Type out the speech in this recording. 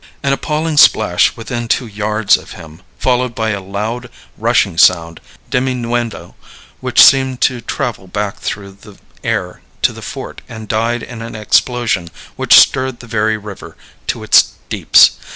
An appalling splash within two yards of him, followed by a loud, rushing sound, diminuendo, which seemed to travel back through the air to the fort and died in an explosion which stirred the very river to its deeps!